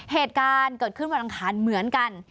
เหตุการณ์เกิดขึ้นวันอังคารเหมือนกัน